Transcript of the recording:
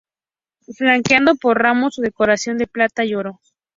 Flanqueado por ramos o decoración de plata y oro.